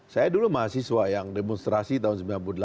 saya dulu mahasiswa yang demonstrasi tahun sembilan puluh delapan